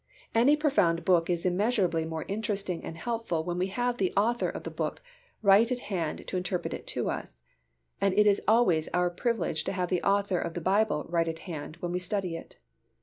Any profound book is immeasurably more interesting and helpful when we have the author of the book right at hand to interpret it to us, and it is always our privilege to have the author of the Bible right at hand when we study it.